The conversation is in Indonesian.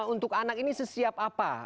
untuk anak ini sesiap apa